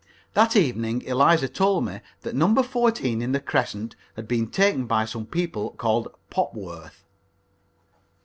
That evening Eliza told me that No. 14 in the Crescent had been taken by some people called Popworth.